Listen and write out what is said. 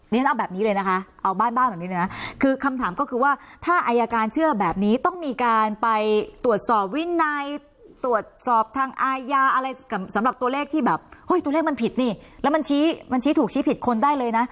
ฉันเอาแบบนี้เลยนะคะเอาบ้านบ้านแบบนี้เลยนะคือคำถามก็คือว่าถ้าอายการเชื่อแบบนี้ต้องมีการไปตรวจสอบวินัยตรวจสอบทางอายาอะไรสำหรับตัวเลขที่แบบเฮ้ยตัวเลขมันผิดนี่แล้วมันชี้มันชี้ถูกชี้ผิดคนได้เลยนะ